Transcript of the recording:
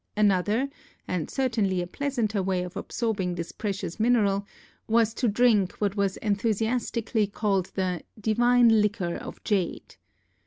Another, and certainly a pleasanter way of absorbing this precious mineral, was to drink what was enthusiastically called the "divine liquor of jade."